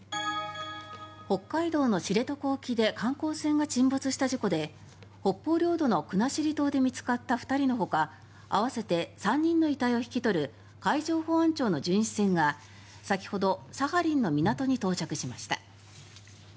北海道の知床沖で観光船が沈没した事故で北方領土の国後島で見つかった２人のほか合わせて３人の遺体を引き取る海上保安庁の巡視船が先ほどサハリンの港に到着しました。